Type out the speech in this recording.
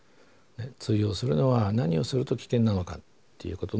通用するのは何をすると危険なのかっていうことの事実